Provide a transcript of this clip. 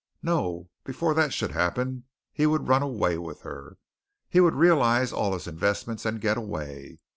No, before that should happen, he would run away with her. He would realize all his investments and get away.